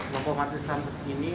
maupun matri islam segini